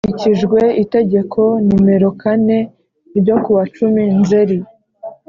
Hakurikijwe itegeko nimerokane ryo ku wa cumi nzeri